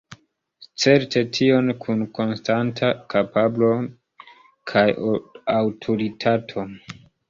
Certe tion kun konstanta kapablo kaj aŭtoritato.